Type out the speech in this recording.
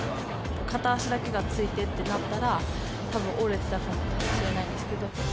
片足だけがついてってなったら、たぶん折れてたかもしれないですけど。